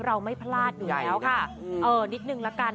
เราไม่พลาดอยู่แล้วค่ะเออนิดนึงละกัน